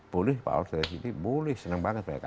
boleh pak ahok dari sini boleh senang banget mereka